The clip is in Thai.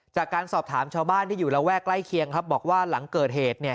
จากการสอบถามชาวบ้านที่อยู่ระแวกใกล้เคียงครับบอกว่าหลังเกิดเหตุเนี่ย